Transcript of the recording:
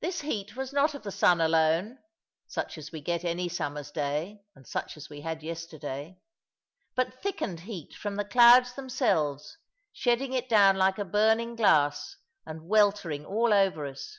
This heat was not of the sun alone (such as we get any summer's day, and such as we had yesterday), but thickened heat from the clouds themselves, shedding it down like a burning glass, and weltering all over us.